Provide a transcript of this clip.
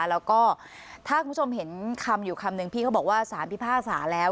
แล้วก็ถ้าคุณผู้ชมเห็นคำอยู่คำนึงพี่เขาบอกว่าสารพิพากษาแล้ว